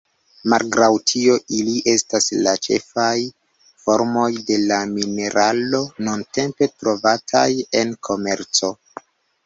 Malgraŭ tio, ili estas la ĉefaj formoj de la mineralo nuntempe trovataj en komerco.